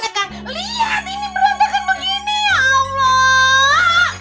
lihat ini berobatan begini ya allah